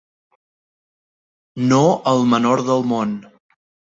No el menor del món.